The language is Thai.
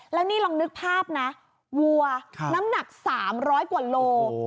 แล้วนี่ลองนึกภาพนะวัวน้ำหนัก๓๐๐กว่าโล